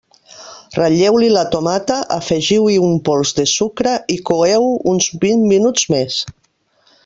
Ratlleu-hi la tomata, afegiu-hi un pols de sucre i coeu-ho uns vint minuts més.